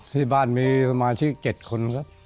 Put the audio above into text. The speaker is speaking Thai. ที่บ้านมีสมาชิก๗คนครับ